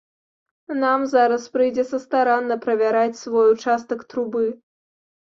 Нам зараз прыйдзецца старанна правяраць свой участак трубы.